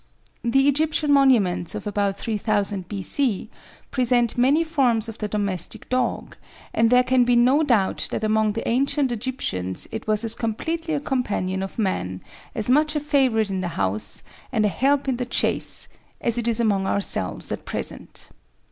The Egyptian monuments of about 3000 B.C. present many forms of the domestic dog, and there can be no doubt that among the ancient Egyptians it was as completely a companion of man, as much a favourite in the house, and a help in the chase, as it is among ourselves at present.